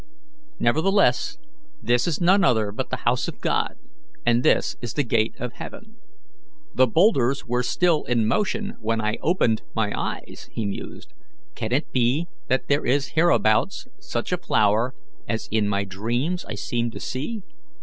Nevertheless, this is none other but the house of God, and this is the gate of heaven. "The boulders were still in motion when I opened my eyes," he mused; "can it be that there is hereabouts such a flower as in my dreams I seemed to see?"